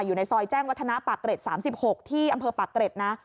อยู่ในซอยแจ้งวธนปรักฏ๓๖ที่อำเภอปรักฏนะ